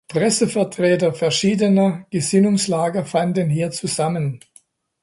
Pressevertreter verschiedener Gesinnungslager fanden hier zusammen.